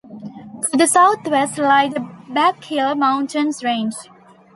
To the southwest lie the Black Hills mountain range.